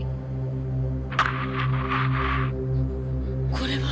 これは？